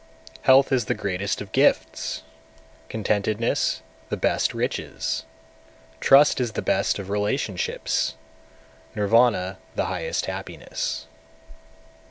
204. Health is the greatest of gifts, contentedness the best riches; trust is the best of relationships, Nirvana the highest happiness.